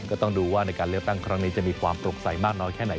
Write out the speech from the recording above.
ก็ต้องดูว่าในการเลือกตั้งครั้งนี้จะมีความโปร่งใสมากน้อยแค่ไหน